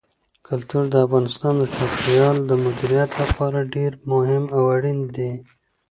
کلتور د افغانستان د چاپیریال د مدیریت لپاره ډېر مهم او اړین دي.